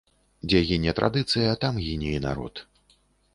Дзе гіне традыцыя, там гіне і народ.